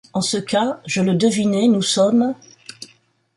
En ce cas, je le devinais, nous sommes…